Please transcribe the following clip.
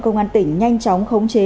công an tỉnh nhanh chóng khống chế